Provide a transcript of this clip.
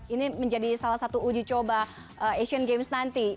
ini menjadi salah satu uji coba asian games nanti